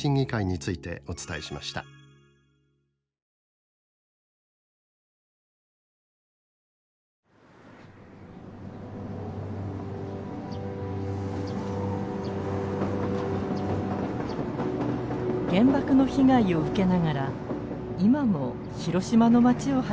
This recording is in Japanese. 原爆の被害を受けながら今も広島の街を走る被爆電車です。